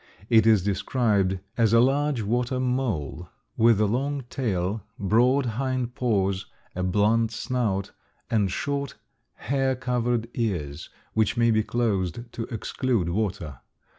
It is described as a large water mole, with a long tail, broad hind paws, a blunt snout, and short, hair covered ears, which may be closed to exclude water.